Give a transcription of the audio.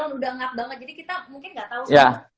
mungkin gak tau